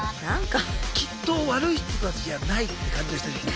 きっと悪い人たちじゃないって感じの人たちですね。